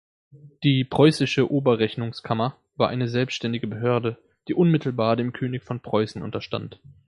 Die "preußische Oberrechnungskammer" war eine selbständige Behörde, die unmittelbar dem König von Preußen unterstand.